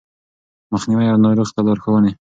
مخنيوی او ناروغ ته لارښوونې